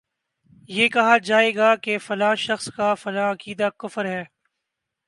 یہ کہا جائے گا کہ فلاں شخص کا فلاں عقیدہ کفر ہے